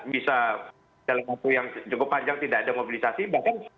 bisa dalam waktu yang cukup panjang tidak ada mobilisasi bahkan